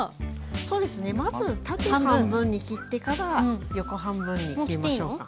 そうですねまず縦半分に切ってから横半分に切りましょうか。